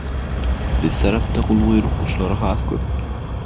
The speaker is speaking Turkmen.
Biziň tarapda Gulguýruk guşlary has köp!